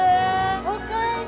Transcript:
おかえり！